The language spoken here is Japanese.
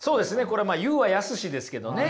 これは「言うは易し」ですけどね。